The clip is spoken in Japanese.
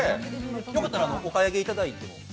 よかったらお買い上げいただいても。